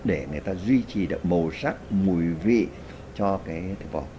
để người ta duy trì được màu sắc mùi vị cho cái thịt bò